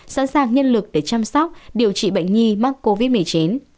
sẵn sàng nhân lực để chăm sóc điều trị bệnh nhi mắc covid một mươi chín